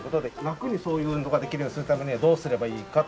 楽にそういう運動ができるようにするためにはどうすればいいか。